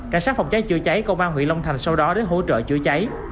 cảnh sát phòng cháy chữa cháy công an huyện long thành sau đó đến hỗ trợ chữa cháy